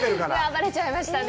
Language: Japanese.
ばれちゃいましたね。